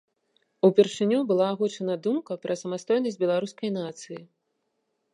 Упершыню была агучана думка пра самастойнасць беларускай нацыі.